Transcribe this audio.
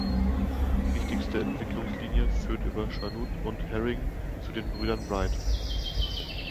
Die wichtigste Entwicklungslinie führt über Chanute und Herring zu den Brüdern Wright.